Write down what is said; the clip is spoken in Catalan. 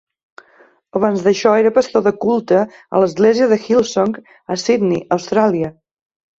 Abans d'això, era pastor de culte a l'església de Hillsong a Sydney, Austràlia.